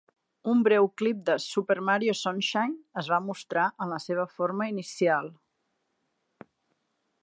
Un breu clip de "Super Mario Sunshine" es va mostrar en la seva forma inicial.